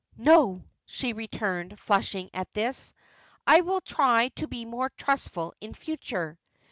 "No!" she returned, flushing at this; "I will try to be more trustful in future."